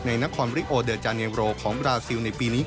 นครริโอเดอร์จาเนโรของบราซิลในปีนี้